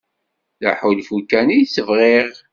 D aḥulfu kan i tt-bɣiɣ.